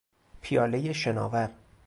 پیالهی شناور